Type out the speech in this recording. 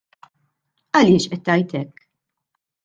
Għaliex qed tgħid hekk?